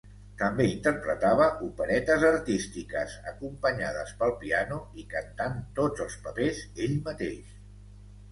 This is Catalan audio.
També interpretava operetes artístiques, acompanyades pel piano i cantant tots els papers ell mateix.